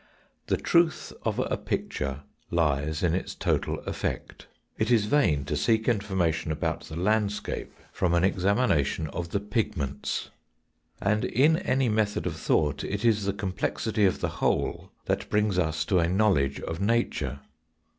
The truth of a picture lies in its total effect. It is vain to seek information about the landscape from an examina APPLICATION TO KANT'S THEORY OF EXPERIENCE 121 tion of the pigments. And in any method of thought it is the complexity of the whole that brings us to a know ledge of nature.